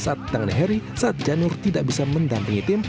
saat tangan heri saat janur tidak bisa mendampingi tim